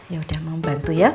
yaudah mama bantu ya